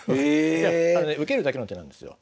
いや受けるだけの手なんですよ。